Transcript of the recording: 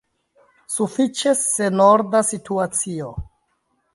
Sufiĉe senorda situacio.